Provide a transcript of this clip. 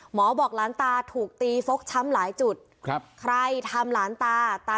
หมอบอกหลานตาถูกตีฟกช้ำหลายจุดครับใครทำหลานตาตา